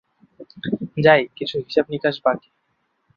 যাই, কিছু হিসাব নিকাশ বাকি।